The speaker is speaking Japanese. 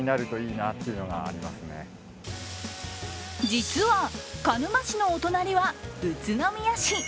実は鹿沼市のお隣は宇都宮市。